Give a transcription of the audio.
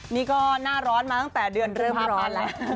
นี่ก็หน้าร้อนมาตั้งแต่เดือนเดือนภาพกัน